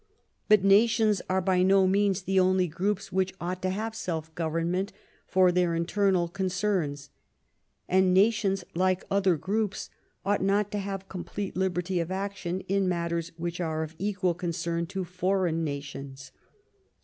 But nations are by no means the only groups which ought to have self government for their internal concerns. And nations, like other groups, ought not to have complete liberty of action in matters which are of equal concern to foreign nations.